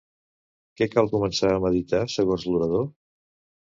Què cal començar a meditar, segons l'orador?